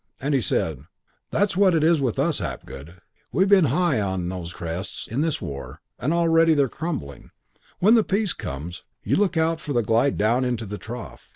And he said: "'That's what it is with us, Hapgood. We've been high on those crests in this war and already they're crumbling. When the peace comes, you look out for the glide down into the trough.